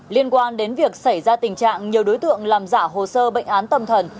liên quan đến việc xảy ra tình trạng nhiều đối tượng làm giả hồ sơ bệnh án tâm thần